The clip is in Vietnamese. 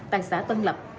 tại xã tân lập